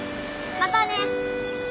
またね。